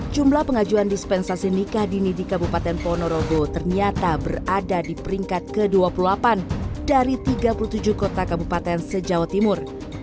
jumlah pengajuan dispensasi nikah dini di kabupaten ponorogo ternyata berada di peringkat ke dua puluh delapan dari tiga puluh tujuh kota kabupaten se jawa timur